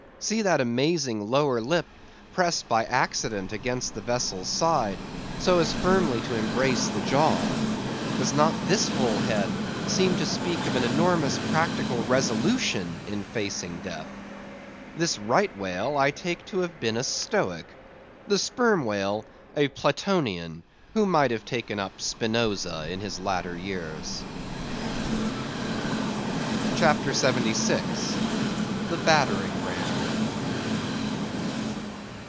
See that amazing lower lip, pressed by accident against the vessel's side, so as firmly to embrace the jaw. Does not this whole head seem to speak of an enormous practical resolution in facing death? This Right Whale I take to have been a Stoic; the Sperm Whale, a Platonian, who might have taken up Spinoza in his latter years. CHAPTER 76. The Battering Ram.